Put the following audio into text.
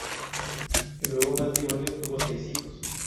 El nuevo matrimonio tuvo seis hijos.